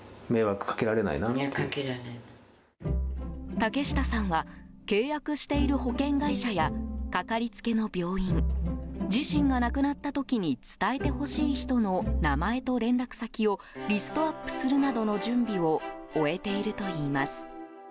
竹下さんは契約している保険会社やかかりつけの病院自身が亡くなった時に伝えてほしい人の名前と連絡先をリストアップするなどの準備を終えているといいます。